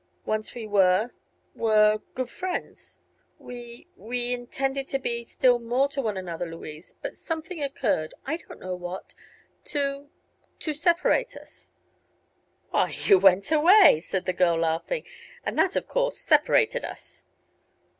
Once we were were good friends. We we intended to be still more to one another, Louise, but something occurred, I don't know what, to to separate us." "Why, you went away," said the girl, laughing; "and that of course separated us."